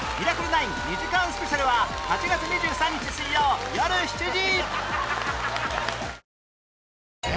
９』２時間スペシャルは８月２３日水曜よる７時